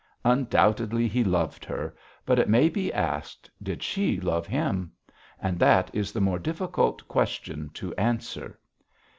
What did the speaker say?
Undoubtedly he loved her, but, it may be asked, did she love him? and that is the more difficult question to answer.